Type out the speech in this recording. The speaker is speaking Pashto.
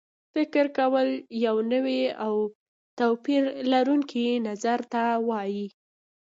فکر کول یو نوي او توپیر لرونکي نظر ته وایي.